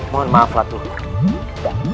mohon maaflah tuhan